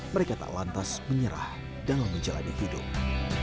dan tidak lantas menyerah dalam menjalani hidup